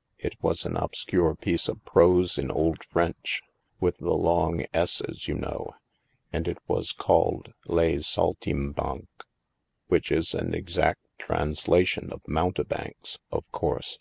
" It was an obscure piece of prose in old French — with the long s's, you know, and it was called ' Les Saltimbanques/ which is an exact translation of * Mountebanks,' of course.